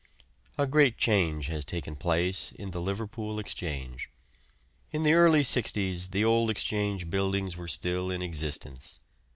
A great change has taken place in the Liverpool Exchange. In the early 'sixties the old Exchange buildings were still in existence.